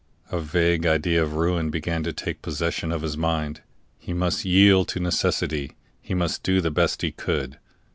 A vague idea of ruin began to take possession of his mind: he must yield to necessity; he must do the best he could.